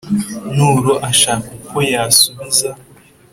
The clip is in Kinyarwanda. Nturo ashaka ukwo yasubiza